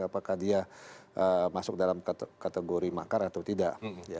apakah dia masuk dalam kategori makar atau tidak